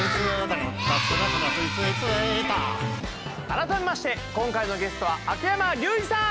改めまして今回のゲストは秋山竜次さん！